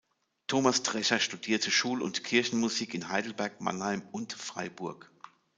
Thomas Drescher studierte Schul- und Kirchenmusik in Heidelberg, Mannheim und Freiburg.